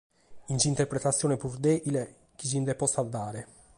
In s’interpretatzione prus deghile chi si nde potzat dare.